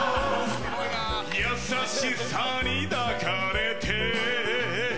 優しさに抱かれて